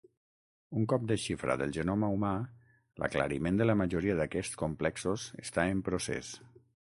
Un cop desxifrat el genoma humà, l'aclariment de la majoria d'aquests complexos està en procés.